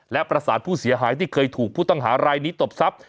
และประสานผู้เสียหายที่เคยถูกผู้ต้องหารายนี้ตบทรัพย์